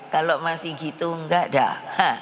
kalau masih gitu enggak dah